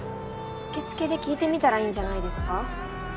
受付で聞いてみたらいいんじゃないですか？